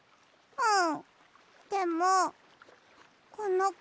うん。